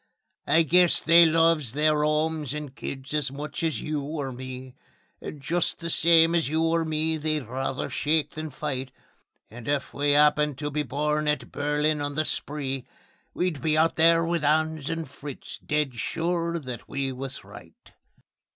I guess they loves their 'omes and kids as much as you or me; And just the same as you or me they'd rather shake than fight; And if we'd 'appened to be born at Berlin on the Spree, We'd be out there with 'Ans and Fritz, dead sure that we was right.